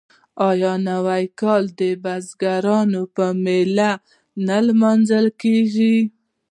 آیا نوی کال د بزګر په میله نه لمانځل کیږي؟